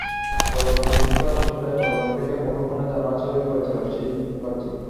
গতকাল বৃহস্পতিবার সন্ধ্যায় কলকাতা থেকে মুঠোফোনে জানালেন ছবির পরিচালক সৃজিত মুখার্জি।